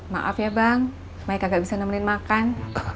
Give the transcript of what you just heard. maaf ya bang mika gak bisa nemenin makan